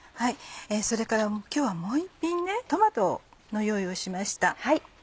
それから今日はもう１品トマトの用意をしました。